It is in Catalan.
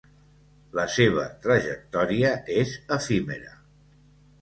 La seva trajectòria és efímera.